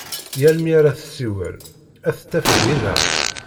Yal mi ara tessiwel a t-taf dinna.